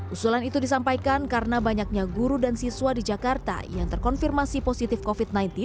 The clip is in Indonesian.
usulan itu disampaikan karena banyaknya guru dan siswa di jakarta yang terkonfirmasi positif covid sembilan belas